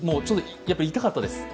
痛かったです。